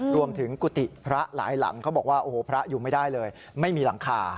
รวมถึงกุฏิพระหลายหลัมเขาบอกว่าพระอยู่ไม่ได้เลยไม่มีหลังคา